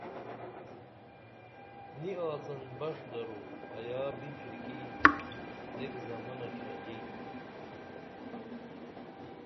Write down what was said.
نی آڅن بݜ درو ایا بِپھرکی ایک زمنہ ݜژی